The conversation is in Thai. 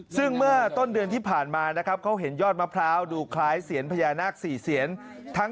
ซึ่งเมื่อต้นเดือนที่ผ่านมานะครับเขาเห็นยอดมะพร้าวดูคล้ายเสียนพญานาค๔เสียน